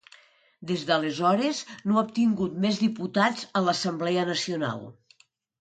Des d'aleshores no ha obtingut més diputats a l'Assemblea Nacional.